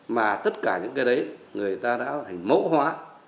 mà tất cả những cái đấy người ta đã thành mẫu hóa